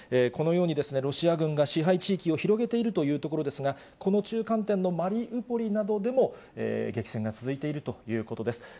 このように、ロシア軍が支配地域を広げているというところですが、この中間点のマリウポリなどでも、激戦が続いているということです。